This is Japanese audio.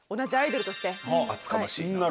厚かましい。